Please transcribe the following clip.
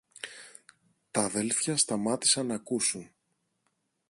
Τ' αδέλφια σταμάτησαν ν' ακούσουν.